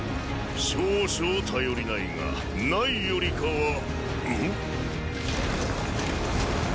少々頼りないが無いよりかはん？